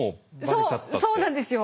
そうそうなんですよ。